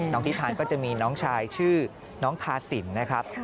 น้องทิศาลก็จะมีน้องชายชื่อน้องทาศิรนะครับ